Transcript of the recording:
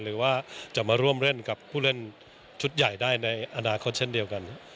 หรือว่าจะมาร่วมเล่นกับผู้เล่นชุดใหญ่ได้ในอนาคตเช่นเดียวกัน